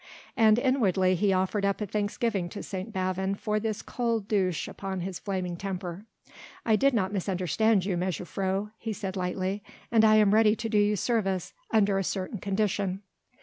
And inwardly he offered up a thanksgiving to St. Bavon for this cold douche upon his flaming temper. "I did not misunderstand you, mejuffrouw," he said lightly, "and I am ready to do you service under a certain condition."